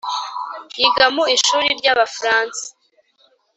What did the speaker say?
yiga mu ishuri ry’abafaransa